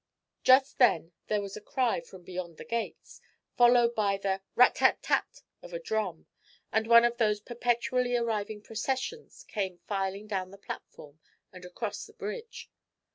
Just then there was a cry from beyond the gates, followed by the rat tat tat of a drum, and one of those perpetually arriving 'processions' came filing down the platform and across the bridge.